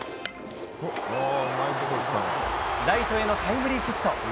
ライトへのタイムリーヒット！